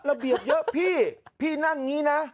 ระเบียบเยอะพี่พี่นั่งอย่างนี้นะ